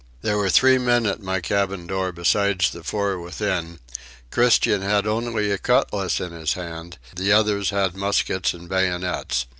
There were three men at my cabin door besides the four within; Christian had only a cutlass in his hand, the others had muskets and bayonets.